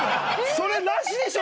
それなしでしょ！